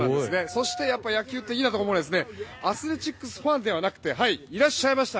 そして野球っていいなと思うのはアスレチックスファンではなくていらっしゃいました